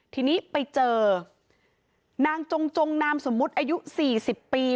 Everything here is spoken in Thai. ทีนี้ไปเจอนางจงจงนามสมมุติอายุ๔๐ปี